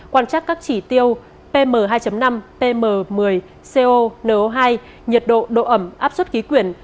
quan trắc các chỉ tiêu pm hai năm tm một mươi co no hai nhiệt độ độ ẩm áp suất khí quyển